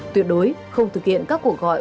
tuyệt đối không thực hiện các cuộc gọi